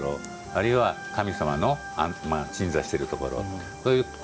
あるいは神様の鎮座してるところ。